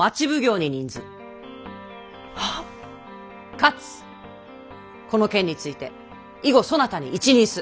かつこの件について以後そなたに一任す。